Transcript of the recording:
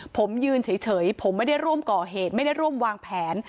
ผมยืนเฉยผมไม่ได้ร่วมก่อเหตุไม่ได้ร่วมวางแผน